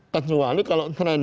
kecuali kalau trend